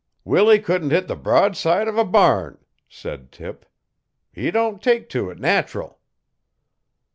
'Willie couldn't hit the broadside of a bam,' said Tip. 'He don't take to it nat'ral.'